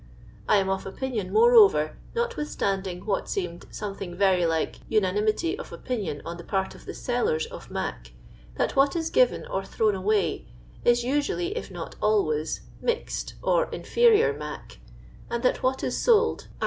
I am of opinion, moreover, notwithstanding what seemed something very like unanimity of opinion on the part of the sellers of " mac," that what is given or thrown away is usually, if not always, inixal orinferior "mac," and that what is sold at the No.